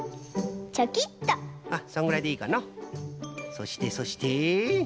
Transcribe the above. そしてそして？